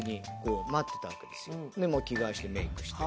もう着替えしてメイクして。